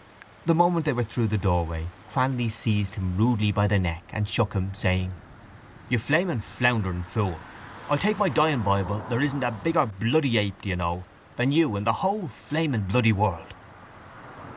The moment they were through the doorway Cranly seized him rudely by the neck and shook him, saying: —You flaming floundering fool! I'll take my dying bible there isn't a bigger bloody ape, do you know, than you in the whole flaming bloody world!